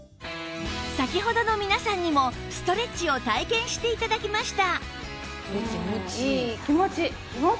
先ほどの皆さんにもストレッチを体験して頂きました